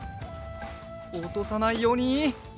おとさないように。